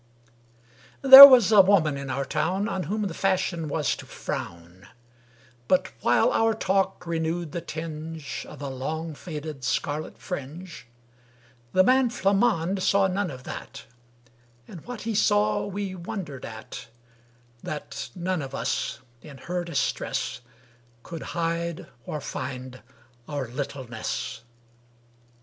There was a woman in our town On whom the fashion was to frown; But while our talk renewed the tinge Of a long faded scarlet fringe, The man Flammonde saw none of that, And what he saw we wondered at That none of us, in her distress, Could hide or find our littleness.